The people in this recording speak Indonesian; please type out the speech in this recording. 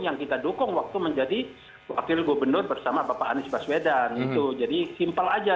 yang kita dukung waktu menjadi wakil gubernur bersama bapak anies baswedan itu jadi simpel aja